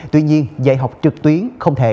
tuy nhiên dạy học trực tuyến không thể